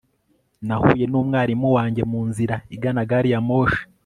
nahuye numwarimu wanjye munzira igana gariyamoshi